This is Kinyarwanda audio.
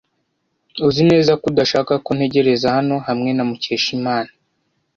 Uzi neza ko udashaka ko ntegereza hano hamwe na Mukeshimana?